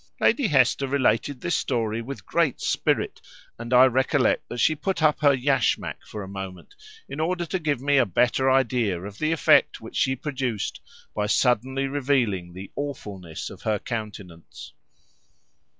Lady Hester related this story with great spirit, and I recollect that she put up her yashmak for a moment in order to give me a better idea of the effect which she produced by suddenly revealing the awfulness of her countenance.